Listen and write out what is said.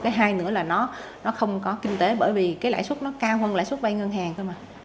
cái hai nữa là nó không có kinh tế bởi vì cái lãi suất nó cao hơn lãi suất vay ngân hàng thôi mà